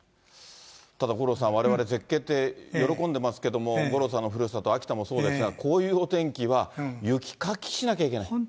ただ五郎さん、われわれ絶景って喜んでますけれども、五郎さんのふるさと、秋田もそうですが、こういうお天気は、雪かきしなきゃいけない。